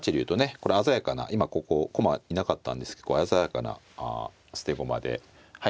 これ鮮やかな今ここ駒いなかったんですけど鮮やかな捨て駒ではい